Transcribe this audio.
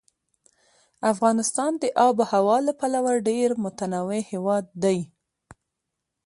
افغانستان د آب وهوا له پلوه ډېر متنوع هېواد دی.